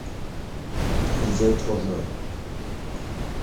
Vous êtes trop jeune.